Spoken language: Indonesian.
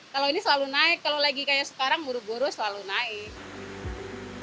kalau ini selalu naik kalau lagi kayak sekarang buru buru selalu naik